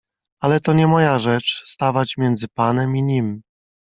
"Ale to nie moja rzecz stawać między panem i nim."